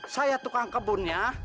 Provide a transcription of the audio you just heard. saya tukang kebunnya